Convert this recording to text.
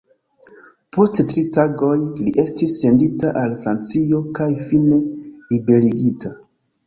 Post tri tagoj li estis sendita al Francio kaj fine liberigita.